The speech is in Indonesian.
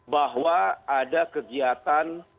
bahwa ada kegiatan